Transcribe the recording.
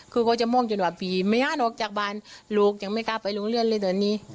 คือเขาจะม่วงจนว่าพี่ไม่หันออกจากบ้านลูกยังไม่กล้าไปโรงเรียนเลยตอนนี้